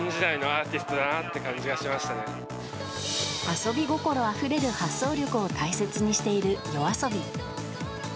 遊び心あふれる発想力を大切にしているＹＯＡＳＯＢＩ。